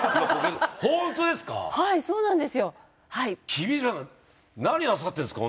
君島さん何なさってるんですか？